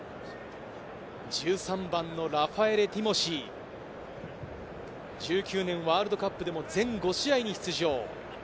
１３番のラファエレ・ティモシー、１９年ワールドカップでも全５試合に出場。